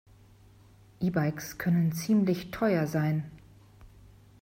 E-Bikes können ziemlich teuer sein.